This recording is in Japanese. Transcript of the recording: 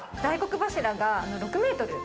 大黒柱が６ｍ。